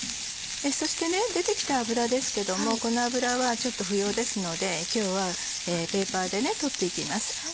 そして出てきた脂ですけどもこの脂はちょっと不要ですので今日はペーパーで取っていきます。